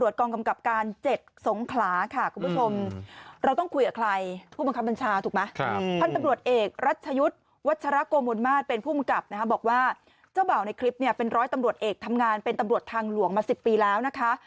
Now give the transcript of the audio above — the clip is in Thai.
ตำรวจบอกว่าเจ้าบ่าวในคลิปเนี่ยเป็นร้อยตำรวจเอกทำงานเป็นตำรวจทางหลวงมา๑๐ปีแล้วนะคะ